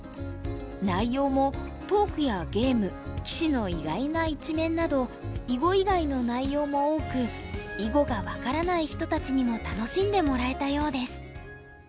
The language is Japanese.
内容もトークやゲーム棋士の意外な一面など囲碁以外の内容も多く囲碁が分からない人たちにも楽しんでもらえたようです。